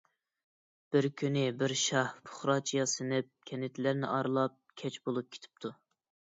بىر كۈنى بىر شاھ پۇقراچە ياسىنىپ كەنتلەرنى ئارىلاپ، كەچ بولۇپ كېتىپتۇ.